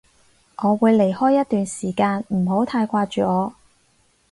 我會離開一段時間，唔好太掛住我